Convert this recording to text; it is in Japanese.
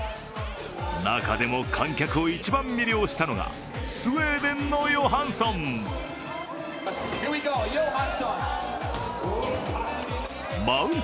中でも観客を一番魅了したのがスウェーデンのヨハンソン。